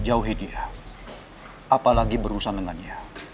jauhi dia apalagi berurusan dengannya